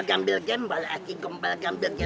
jangan berisik loh semua